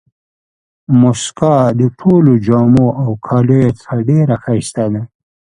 مسکا د ټولو جامو او کالیو څخه ډېره ښایسته ده.